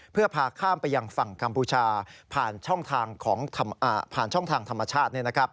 เพื่อพาข้ามไปยังฝั่งกัมพูชาผ่านช่องทางธรรมชาติ